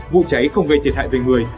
vụ cháy không gây thiệt hại về người